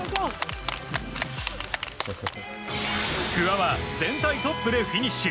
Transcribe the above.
不破は全体トップでフィニッシュ。